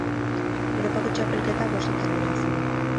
Europako Txapelketa bostetan irabazi du.